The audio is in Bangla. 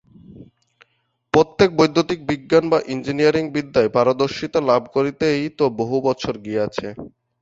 প্রথমে বৈদ্যুতিক বিজ্ঞান বা ইঞ্জিনীয়ারিং বিদ্যায় পারদর্শিতা লাভ করিতেই তো বহু বছর গিয়াছে।